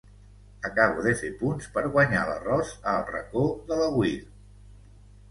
Acabo de fer punts per guanyar l'arròs a “El Racó de l'Agüir”.